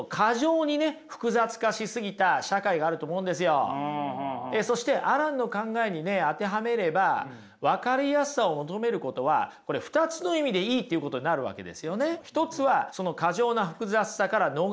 私はその若い人たちが今ねそしてアランの考えにね当てはめれば分かりやすさを求めることは２つの意味でいいっていうことになるわけですよね。